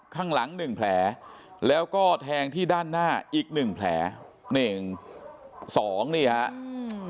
ข้างหลัง๑แผลแล้วก็แทงที่ด้านหน้าอีก๑แผล๑๒เนี่ยครับ